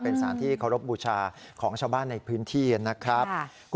เป็นสารที่เคารพบูชาของชาวบ้านในพื้นที่นะครับ